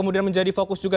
apa yang dikudeta